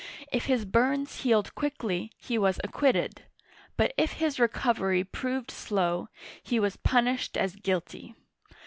If his burns healed quickly, he was acquitted; but if his recovery proved slow, he was punished as guilty.